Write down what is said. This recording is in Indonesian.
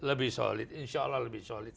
lebih solid insya allah lebih solid